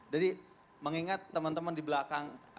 jadi mengingat teman teman di belakang